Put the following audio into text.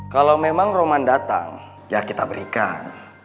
kalau memang roman datang ya kita berikan